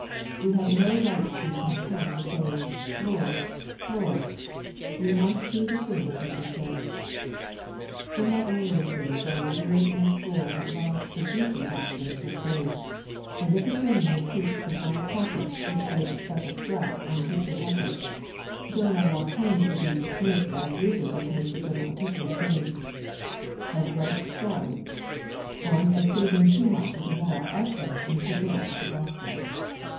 We have no right to be content with saying "Lord, Lord;" we must do the things which He says. In my earliest days I was reared in a school that loved the ''juicy" doctrines of Grace, and if a sermon were preached from our pulpit which laid special stress on Christian ethics, during our walk home it would be dismissed as Luther dismissed the general Epistle of James, as "right strawy," and as savouring too much of the moral essay and too Little of the Gospel.